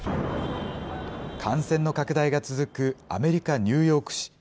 感染の拡大が続くアメリカ・ニューヨーク市。